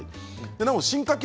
なお進化形